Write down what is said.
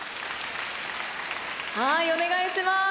はいお願いします。